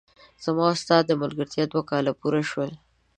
زما او ستا د ملګرتیا دوه کاله پوره شول!